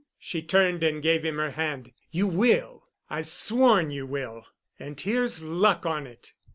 she turned and gave him her hand. "You will. I've sworn you will. And here's luck on it."